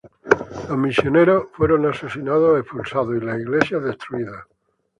Los misioneros fueron asesinados o expulsados, y las iglesias destruidas.